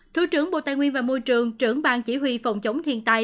thủ trưởng bộ tài nguyên và môi trường trưởng bang chỉ huy phòng chống thiên tài